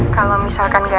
kalau misalkan gak ada